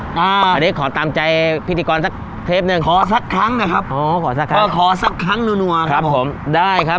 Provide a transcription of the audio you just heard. อ้าวอันนี้ขอตามใจพิธีกรสักครั้งนะครับ